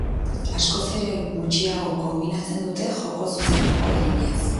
Askoz ere gutxiago konbinatzen dute joko zuzenagoa eginez.